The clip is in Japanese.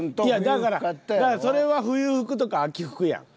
だからそれは冬服とか秋服やん。